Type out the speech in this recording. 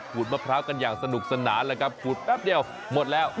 มะพร้าวกันอย่างสนุกสนานแล้วครับขูดแป๊บเดียวหมดแล้ว